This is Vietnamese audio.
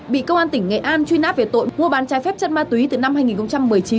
bị công an tỉnh nghệ an truy nã về tội mua bán trái phép chất ma túy từ năm hai nghìn một mươi chín